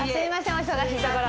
お忙しいところ。